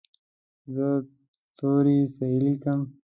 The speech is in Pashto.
زه توري صحیح لیکم.